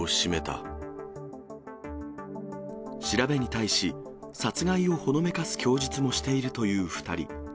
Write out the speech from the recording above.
調べに対し、殺害をほのめかす供述もしているという２人。